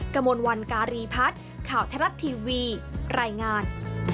กระมวลวันการีพัฒน์ข่าวไทยรัฐทีวีรายงาน